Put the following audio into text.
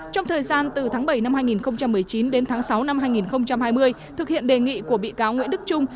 trong thời gian từ tháng bảy năm hai nghìn một mươi chín đến tháng sáu năm hai nghìn hai mươi thực hiện đề nghị của bị cáo nguyễn đức trung